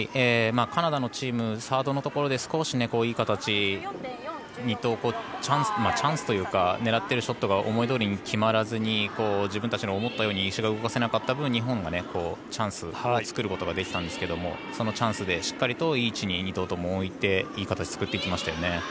カナダのチームサードのところで少し、いい形チャンスというか狙っているショットが思いどおりに決まらずに自分たちの思ったように石を動かせなかった分日本がチャンスを作ることができたんですけどもそのチャンスでしっかりいい位置に２投とも置いていい形作っていきました。